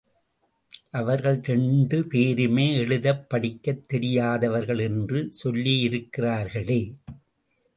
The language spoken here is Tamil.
அவர்கள் இரண்டு பேருமே எழுதப் படிக்கத் தெரியாதவர்கள் என்று சொல்லியிருக்கிறார்களே!